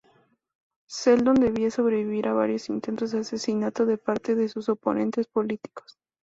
Seldon debe sobrevivir a varios intentos de asesinato de parte de sus oponentes políticos.